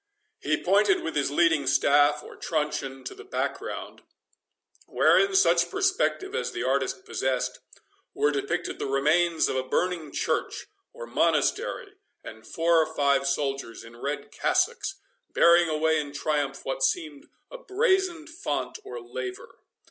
He pointed with his leading staff, or truncheon, to the background, where, in such perspective as the artist possessed, were depicted the remains of a burning church, or monastery, and four or five soldiers, in red cassocks, bearing away in triumph what seemed a brazen font or laver.